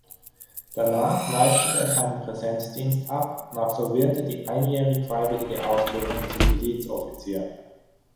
Danach leistete er seinen Präsenzdienst ab und absolvierte die einjährig-freiwillige Ausbildung zum Miliz-Offizier.